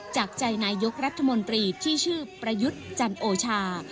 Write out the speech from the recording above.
จากใจนายกรัฐมนตรีที่ชื่อประยุทธ์จันโอชา